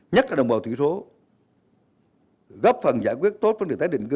nhất là đồng bào thủy số góp phần giải quyết tốt phân truyền thái định cư